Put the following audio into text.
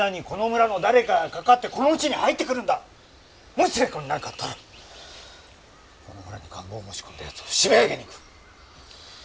もし左枝子に何かあったらこの村に感冒を持ち込んだやつを締め上げに行く！